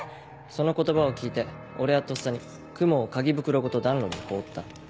その言葉を聞いて俺はとっさにクモを鍵袋ごと暖炉に放った。